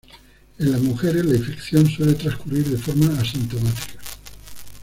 En las mujeres, la infección suele transcurrir de forma asintomática.